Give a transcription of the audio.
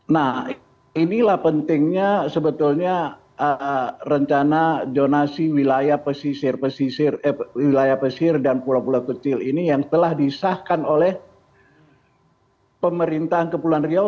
nah inilah pentingnya sebetulnya rencana jonasi wilayah pesisir wilayah pesir dan pulau pulau kecil ini yang telah disahkan oleh pemerintahan kepulauan riau